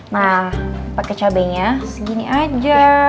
nah pake cabenya segini aja